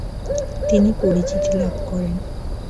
তিনি পরিচিতি লাভ করেন।